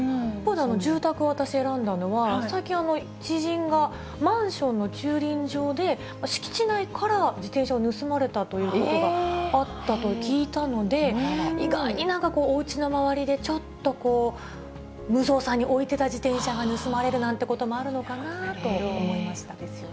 住宅を私、選んだのは、最近、知人がマンションの駐輪場で、敷地内から自転車を盗まれたということがあったと聞いたので、意外になんかこう、おうちの周りでちょっとこう、無造作に置いていた自転車が盗まれるなんてこともあるのかなと思ですよね。